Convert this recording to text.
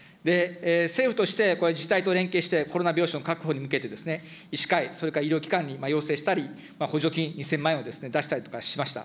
政府として自治体と連携して、コロナ病床の確保に向けて、医師会、それから医療機関に要請したり、補助金２０００万円を出したりとかしました。